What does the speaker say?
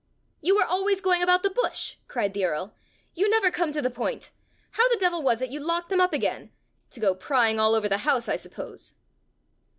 "You are always going about the bush!" cried the earl. "You never come to the point! How the devil was it you locked them up again? To go prying all over the house, I suppose!"